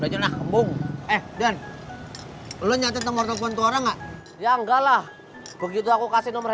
udah jenak kembung eh dan lo nyatet nomor telepon tuara enggak ya enggak lah begitu aku kasih nomor